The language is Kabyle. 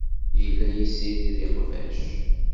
Yella yessirid iqbac.